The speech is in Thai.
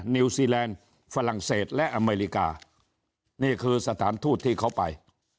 นิวซีแลนด์ฝรั่งเศสและอเมริกานี่คือสถานทูตที่เขาไป